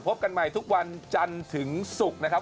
พบกันใหม่ทุกวันจันทร์ถึงศุกร์นะครับ